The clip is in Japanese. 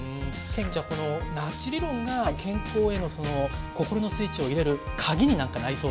じゃあこのナッジ理論が健康への心のスイッチを入れる鍵に何かなりそうですよね。